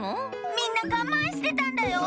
みんながまんしてたんだよ！